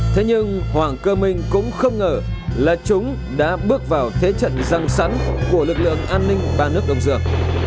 thế nhưng hoàng cơ minh cũng không ngờ là chúng đã bước vào thế trận răng sẵn của lực lượng an ninh ba nước đông dược